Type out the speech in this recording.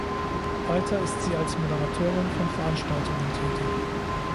Weiter ist sie als Moderatorin von Veranstaltungen tätig.